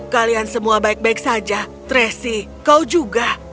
kalian semua baik baik saja tracy kau juga